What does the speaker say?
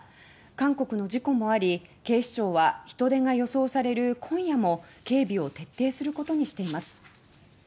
韓国の事故もあり警視庁は人手が予想される今夜も警備を徹底することにしています。